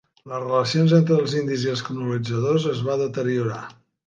Les relacions entre els indis i els colonitzadors es va deteriorar.